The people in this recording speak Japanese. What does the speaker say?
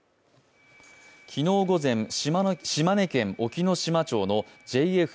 昨日午前、島根県隠岐の島町のＪＦ